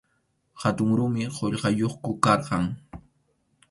Hatun rumi qullqayuqku karqan.